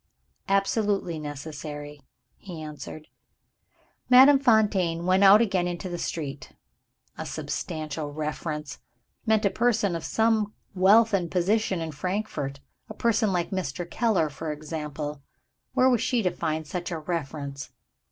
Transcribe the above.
"Absolutely necessary," he answered. Madame Fontaine went out again into the street. "A substantial reference" meant a person of some wealth and position in Frankfort a person like Mr. Keller, for example. Where was she to find such a reference?